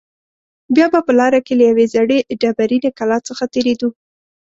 بیا به په لاره کې له یوې زړې ډبرینې کلا څخه تېرېدو.